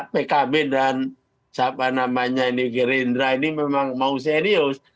pkb dan siapa namanya ini gerindra ini memang mau serius